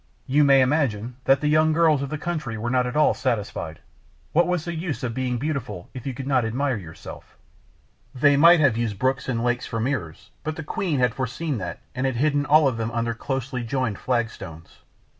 You may imagine that the young girls of the country were not at all satisfied. What was the use of being beautiful if you could not admire yourself? They might have used the brooks and lakes for mirrors; but the queen had foreseen that, and had hidden all of them under closely joined flagstones.